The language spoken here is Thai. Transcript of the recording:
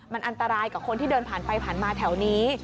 มันอันตรายกับคนที่เดินผ่านไปผ่านมาแถวนี้